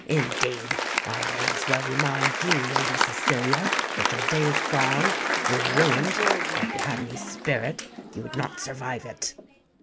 "Indeed, I may as well remind you, Lady Cecilia, that your day is gone—you are ruined—and, if you had any spirit, you would not survive it!"